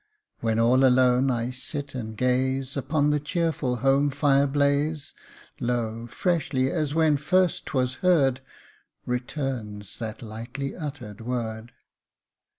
When all alone I sit and gaze Upon the cheerful home fire blaze, Lo ! freshly as when first 'twas heard, Returns that lightly uttered word.